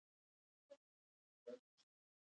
یو استازی موجود وو.